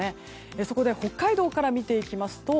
そこで北海道から見ていきますと